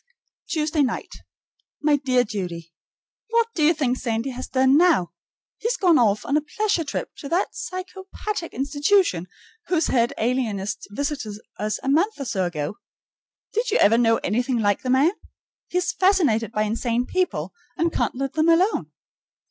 Tuesday night. My dear Judy: What do you think Sandy has done now? He has gone off on a pleasure trip to that psychopathic institution whose head alienist visited us a month or so ago. Did you ever know anything like the man? He is fascinated by insane people, and can't let them alone.